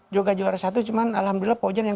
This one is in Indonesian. juga juara satu cuman alhamdulillah pojen yang